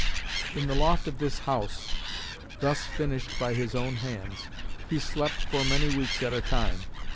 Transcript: In the loft of this house, thus finished by his own hands, he slept for many weeks at a time.